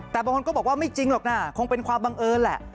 แต่บางคนก็บอกว่าไม่จริงหรอกนะคงเป็นความบังเอิญแหละ